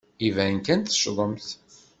Iban kan teccḍemt.